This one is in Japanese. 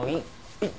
はい。